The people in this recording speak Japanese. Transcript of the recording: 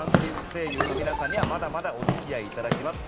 声優の皆さんにはまだまだお付き合いいただきます。